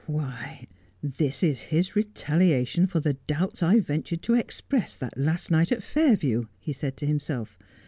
' Why, this is his retaliation for the doubts I ventured to express that last night at Fairview,' he said to himself.